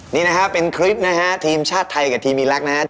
นี่นะครับเป็นคลิปนะฮะทีมชาติไทยกับทีมอีรักษ์นะครับ